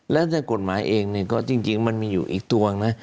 แล้วในกฎหมายเองเนี่ยก็จริงมันมีอยู่อีกตัวนะ